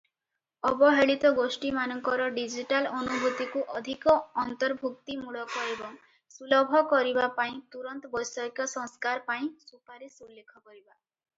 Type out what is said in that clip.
ଅବହେଳିତ ଗୋଷ୍ଠୀମାନଙ୍କର ଡିଜିଟାଲ ଅନୁଭୂତିକୁ ଅଧିକ ଅନ୍ତର୍ଭୁକ୍ତିମୂଳକ ଏବଂ ସୁଲଭ କରିବା ପାଇଁ ତୁରନ୍ତ ବୈଷୟିକ ସଂସ୍କାର ପାଇଁ ସୁପାରିସ ଉଲ୍ଲେଖ କରିବା ।